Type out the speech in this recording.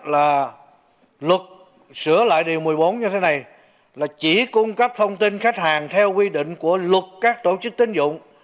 và lực sửa lại điều một mươi bốn như thế này là chỉ cung cấp thông tin khách hàng theo quy định của lực các tổ chức tín dụng